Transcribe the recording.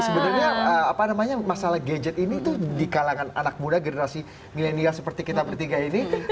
sebenarnya apa namanya masalah gadget ini tuh di kalangan anak muda generasi milenial seperti kita bertiga ini